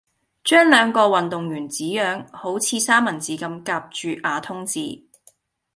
將兩個運動員紙樣好似三文治咁夾住瓦通紙